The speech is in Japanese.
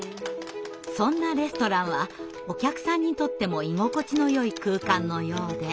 そんなレストランはお客さんにとっても居心地のよい空間のようで。